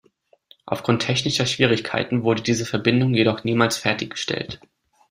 Aufgrund technischer Schwierigkeiten wurde diese Verbindung jedoch niemals fertiggestellt.